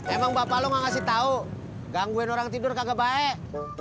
emang bapak lo ngasih tahu gangguin orang tidur kagak baik